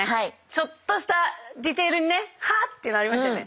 ちょっとしたディテールにねハッ！ってなりましたよね。